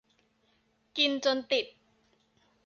กินจนติด